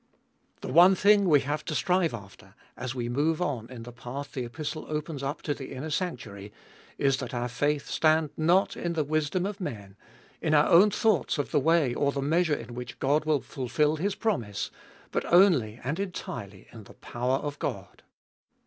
The one thing we have to strive after, as we move on in the path the Epistle opens up to the inner sanctuary, is that our faith stand not in the wisdom of men, in our own thoughts of the way or the measure in which God will fulfil His promise, but only and entirely in the power of God.